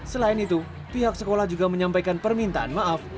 selain itu pihak sekolah juga menyampaikan permintaan maaf